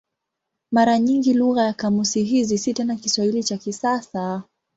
Mara nyingi lugha ya kamusi hizi si tena Kiswahili cha kisasa.